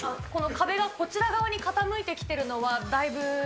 壁がこちら側に傾いてきてるのは、だいぶ。